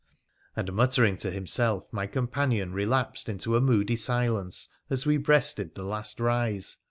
' And, muttering to himself, my companion relapsed into a moody silence as we breasted the last rise.